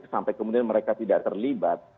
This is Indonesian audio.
sampai kemudian mereka tidak terlibat